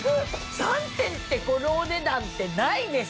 ３点でこのお値段ってないですよ。